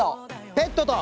ペットと。